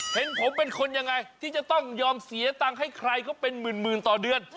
เห็นผมเป็นคนยังไงที่จะต้องยอมเสียตังค์ให้ใครเขาเป็นหมื่นต่อเดือน